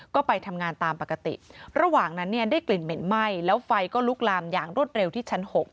ก็ไปทำงานตามปกติระหว่างนั้นเนี่ยได้กลิ่นเหม็นไหม้แล้วไฟก็ลุกลามอย่างรวดเร็วที่ชั้น๖